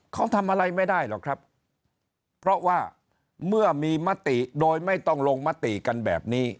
เขาทำอะไรไม่ได้หรอกครับเพราะว่าเมื่อมีมติโดยไม่ต้องลงมติกันแบบนี้